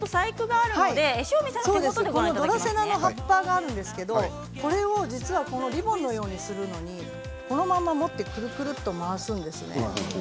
ドラセナの葉っぱがあるんですけどリボンのようにするのにこのまま持ってくるくると回すんですね。